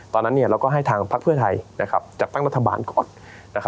ตอนนั้นเราก็ให้ทางพักเพื่อไทยจัดตั้งรัฐบาลก่อน